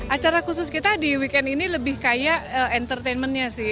acara khusus kita di weekend ini lebih kayak entertainment nya sih